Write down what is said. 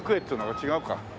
違うか。